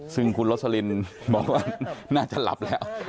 ซึ่งคุณโรสลินบอกว่าน่าจะหลับแล้ว